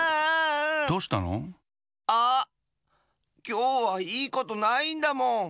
きょうはいいことないんだもん。